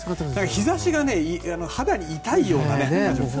日差しが肌に痛いような感じがする。